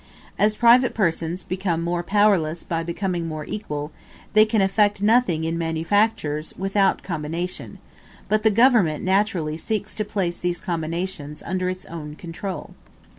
As private persons become more powerless by becoming more equal, they can effect nothing in manufactures without combination; but the government naturally seeks to place these combinations under its own control.